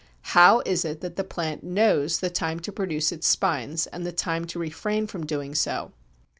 How is it that the plant knows the time to produce its spines, and the time to refrain from doing so?